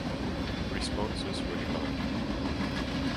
Responses were divided.